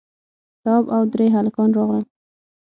تواب او درې هلکان راغلل.